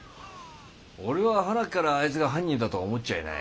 俺ははなっからあいつが犯人だとは思っちゃいない。